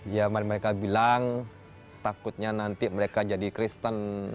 ya mereka bilang takutnya nanti mereka jadi kristen